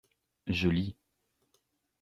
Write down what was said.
Je lis.